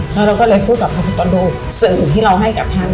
แล้วเราก็เลยพูดกับพระพุทธตัวโดยสื่อที่เราให้กับท่าน